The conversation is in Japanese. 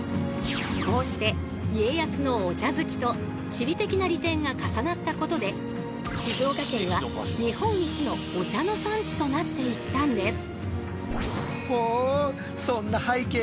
こうして家康のお茶好きと地理的な利点が重なったことで静岡県は日本一のお茶の産地となっていったんです。